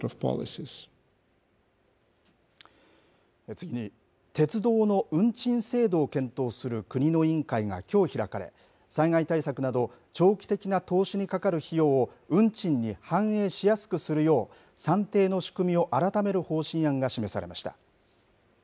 次に、鉄道の運賃制度を検討する国の委員会がきょう開かれ、災害対策など、長期的な投資にかかる費用を運賃に反映しやすくするよう、算定の仕組みを改める方針案が示されました。